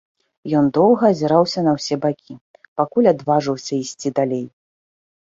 Ён доўга азіраўся на ўсе бакі, пакуль адважыўся ісці далей.